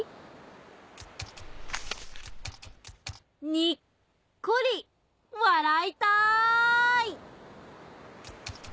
にっこりわらいたーい！